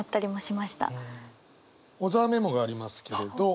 小沢メモがありますけれど。